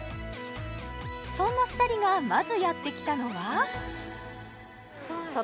そんな２人がまずやってきたのはえっ